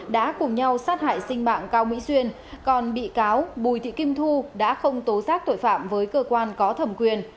đã cùng nhau sát hại sinh mạng cao mỹ duyên còn bị cáo bùi thị kim thu đã không tố giác tội phạm với cơ quan có thẩm quyền